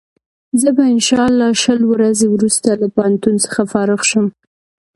زه به انشا الله شل ورځې وروسته له پوهنتون څخه فارغ شم.